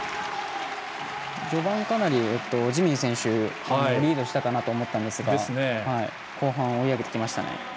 序盤かなり、ジミン選手リードしたかなと思ったんですが後半、追い上げてきましたね。